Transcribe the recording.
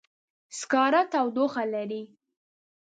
سکاره تودوخه لري.